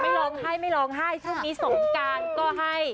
ร้องไห้ไม่ร้องไห้ช่วงนี้สงการก็ให้